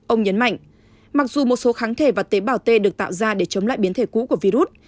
ông nhấn mạnh mặc dù một số kháng thể và tế bào t được tạo ra để chống lại biến thể cũ của virus